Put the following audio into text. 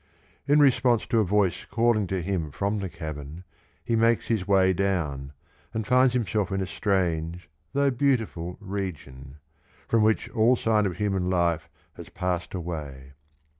In response to a voice calling to him from the cavern he makes his way down, and finds himself in a strange, though beauti ful region, from which all sign of human life has passed away.